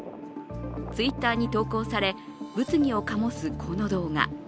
Ｔｗｉｔｔｅｒに投稿され、物議を醸すこの動画。